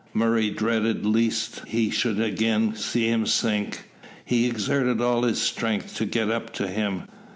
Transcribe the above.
Murray dreaded lest he should again see him sink. He exerted all his strength to get up to him.